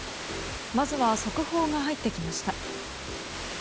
まずは速報が入ってきました。